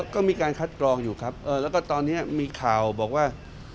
ก็มีการคัดกรองอยู่ครับแล้วก็ตอนนี้มีข่าวบอกว่า